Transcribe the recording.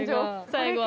最後。